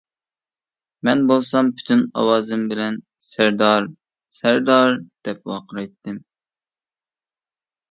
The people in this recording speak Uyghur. مەن بولسام پۈتۈن ئاۋازىم بىلەن:-سەردار، سەردار-دەپ ۋارقىرايتتىم.